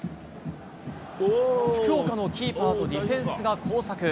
福岡のキーパーとディフェンスが交錯。